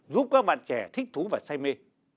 giúp các bạn trẻ thích thú và say mê